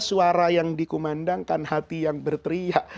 suara yang dikumandangkan hati yang berteriak